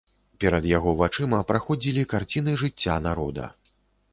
Перад яго вачыма праходзілі карціны жыцця народа.